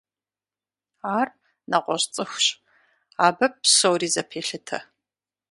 Ар нэгъуэщӏ цӏыхущ, абы псори зэпелъытэ.